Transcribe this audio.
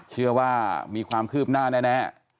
เชื่อว่ามีความคืบหน้าแน่